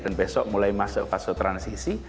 dan besok mulai masuk fase transisi